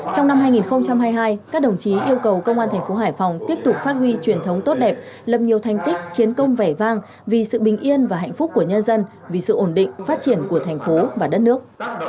trong năm hai nghìn hai mươi hai các đồng chí yêu cầu công an thành phố hải phòng tiếp tục phát huy truyền thống tốt đẹp lập nhiều thành tích chiến công vẻ vang vì sự bình yên và hạnh phúc của nhân dân vì sự ổn định phát triển của thành phố và đất nước